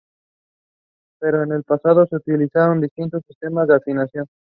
Pero en el pasado se utilizaron distintos sistemas de afinación.